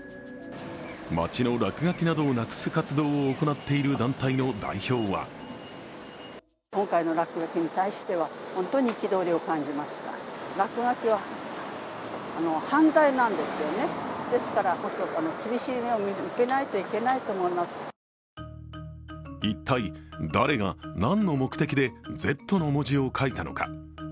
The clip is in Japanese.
街の落書きなどをなくす活動を行っている団体の代表は一体誰が、何の目的で「Ｚ」の文字を書いたのか。